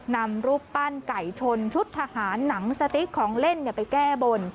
นำรูปปั้นไก่ชนชุดทหารหนังสติ๊กของเล่นไปแก้บน